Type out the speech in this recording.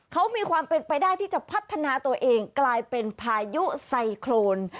เขามีความเป็นไปได้ที่จะพัฒนาตัวเองกลายเป็นพายุไซโครน